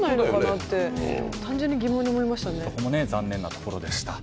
とても残念なところでした。